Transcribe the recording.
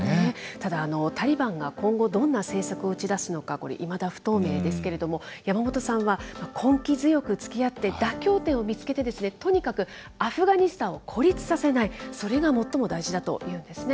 ただタリバンが今後、どんな政策を打ち出すのか、これ、いまだ不透明ですけれども、山本さんは、根気強くつきあって、妥協点を見つけて、とにかくアフガニスタンを孤立させない、それが最も大事だというんですね。